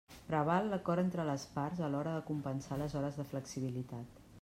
Preval l'acord entre les parts a l'hora de compensar les hores de flexibilitat.